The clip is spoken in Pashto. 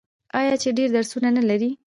آیا چې ډیر درسونه نلري؟